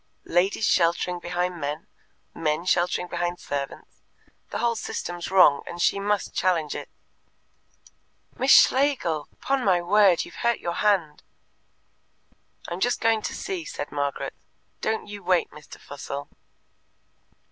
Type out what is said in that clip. Ladies sheltering behind men, men sheltering behind servants the whole system's wrong, and she must challenge it. "Miss Schlegel! 'Pon my word, you've hurt your hand." "I'm just going to see," said Margaret. "Don't you wait, Mr. Fussell."